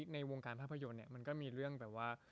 ในวงการภาพยนตร์เนี่ยมันก็มีเรื่องแบบว่า